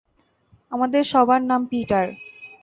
আমাদের সবার নাম পিটার।